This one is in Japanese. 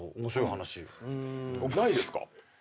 ないですか？